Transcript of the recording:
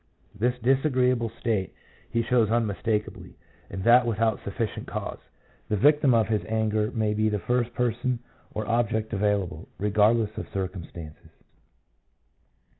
This dis agreeable state he shows unmistakably, and that without sufficient cause. The victim of his anger may be the first person or object available, regardless of circumstances.